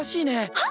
はっ？